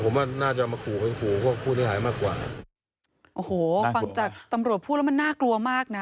ผมว่าน่าจะมาขู่เป็นขู่พวกผู้เสียหายมากกว่าโอ้โหฟังจากตำรวจพูดแล้วมันน่ากลัวมากน่ะ